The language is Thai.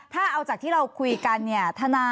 ถ้าเอาจากที่เราคุยกัน